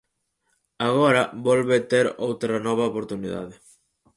Agora volve ter outra nova oportunidade.